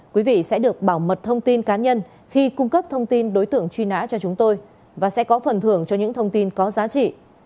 quý vị sẽ được bảo mật thông tin cá nhân khi cung cấp thông tin đối tượng truy nã cho chúng tôi và sẽ có phần thưởng cho những thông tin có giá trị